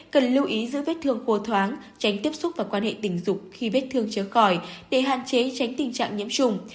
cần lưu ý giữ vết thương khô thoáng tránh tiếp xúc và quan hệ tình dục khi vết thương trở khỏi để hạn chế tránh tình trạng nhiễm trùng